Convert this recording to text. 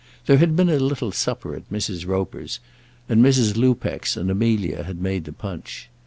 There had been a little supper at Mrs. Roper's, and Mrs. Lupex and Amelia had made the punch.